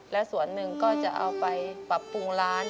และส่วนหนึ่งก็จะเอาไปปรับปรุงร้าน